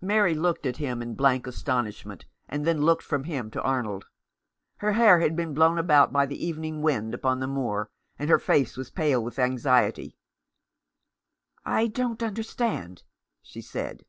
Mary looked at him in blank astonishment, and then looked from him to Arnold. Her hair had 382 The Enemy and Avenger. been blown about by the evening wind upon the moor, and her face was pale with anxiety. "I don't understand," she said.